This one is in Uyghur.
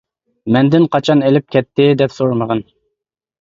مەندىن قاچان ئېلىپ كەتتى دەپ سورىمىغىن!